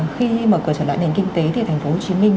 khi mở cửa trở lại nền kinh tế thì thành phố hồ chí minh